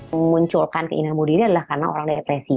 memunculkan keindahan bunuh diri adalah karena orang depresi